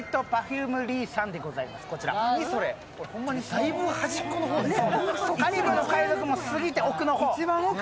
だいぶ端っこの方にある。